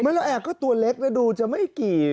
ละแอร์ก็ตัวเล็กนะดูจะไม่กี่